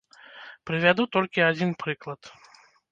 Прывяду толькі адзін прыклад.